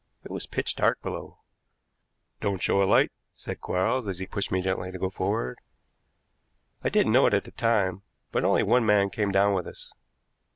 It was pitch dark below. "Don't show a light," said Quarles as he pushed me gently to go forward. I didn't know it at the time, but only one man came down with us.